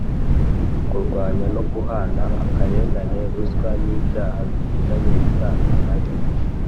kurwanya no guhana akarengane, ruswa n’ibyaha bifitanye isano na yo.